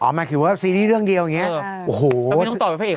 อ๋อหมายถึงว่าซีรีส์ที่เรื่องเดียวอย่างเนี่ย